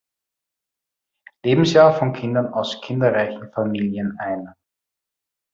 Lebensjahr von Kindern aus kinderreichen Familien ein.